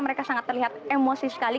mereka sangat terlihat emosi sekali